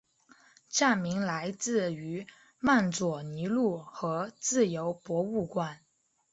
站名来自于曼佐尼路和自由博物馆。